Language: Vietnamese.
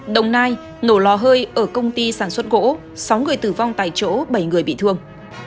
đồng nai nổ lò hơi ở công ty sản xuất gỗ sáu người tử vong tại chỗ bảy người bị thương